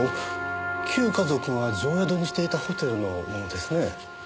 旧華族が定宿にしていたホテルのものですね。